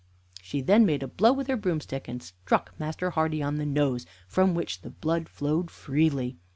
She then made a blow with her broomstick, and struck Master Hardy on the nose, from which the blood flowed freely.